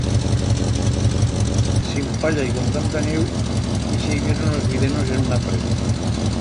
Sin palla y con tanta nieu, ixe hibierno nos vídenos en un apreto.